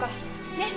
ねっ？